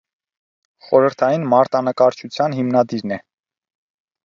Խորհրդային մարտանկարչության հիմնադիրն է։